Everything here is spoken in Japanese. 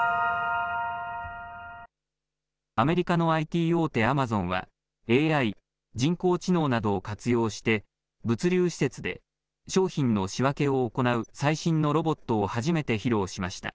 アメリカのＩＴ大手、アマゾンは、ＡＩ・人工知能などを活用して、物流施設で商品の仕分けを行う最新のロボットを初めて披露しました。